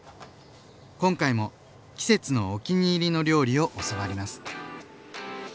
今回も季節のお気に入りの料理を教わります。